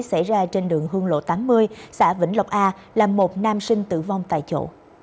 xảy ra trên đường hương lộ tám mươi xã vĩnh lộc a làm một nam sinh tử vong tại chỗ